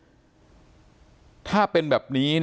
ขอบคุณมากครับขอบคุณมากครับ